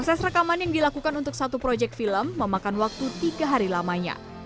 proses rekaman yang dilakukan untuk satu proyek film memakan waktu tiga hari lamanya